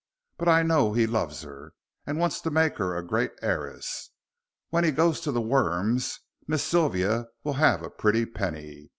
"But I know he loves her, and wants to make her a great heiress. When he goes to the worms Miss Sylvia will have a pretty penny.